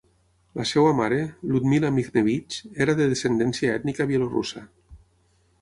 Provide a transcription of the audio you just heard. La seva mare, Ludmila Mikhnevich, era de descendència ètnica bielorussa.